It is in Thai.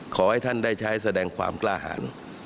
ขอให้ท่านได้ใช้แสดงความกล้าหาร